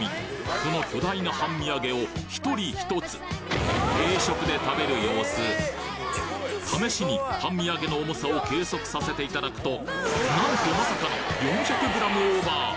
この巨大な半身揚げを１人１つ定食で食べる様子試しに半身揚げの重さを計測させていただくとなんとまさかの４００ｇオーバー！